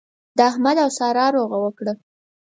احمد او سارا روغه وکړه.